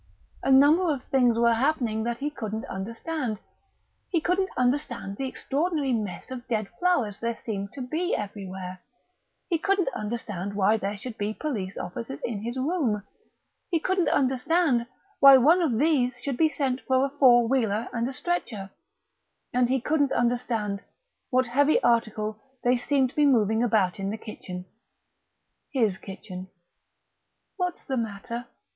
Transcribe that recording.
A number of things were happening that he couldn't understand. He couldn't understand the extraordinary mess of dead flowers there seemed to be everywhere; he couldn't understand why there should be police officers in his room; he couldn't understand why one of these should be sent for a four wheeler and a stretcher; and he couldn't understand what heavy article they seemed to be moving about in the kitchen his kitchen.... "What's the matter?"